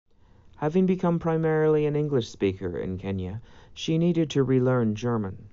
Having become primarily an English speaker in Kenya, she needed to relearn German.